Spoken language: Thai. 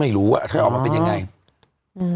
ไม่รู้ว่าจะออกมาเป็นอย่างไงอ่าอือ